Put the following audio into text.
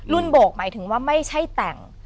โบกหมายถึงว่าไม่ใช่แต่ง